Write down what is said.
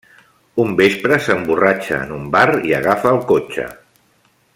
Un vespre, s'emborratxa en un bar i agafa el cotxe.